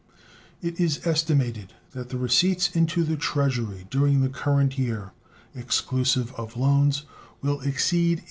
It is estimated that the receipts into the Treasury during the current year, exclusive of loans, will exceed $18.